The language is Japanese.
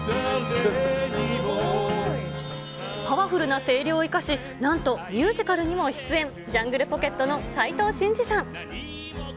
パワフルな声量を生かし、なんと、ミュージカルにも出演、ジャングルポケットの斉藤慎二さん。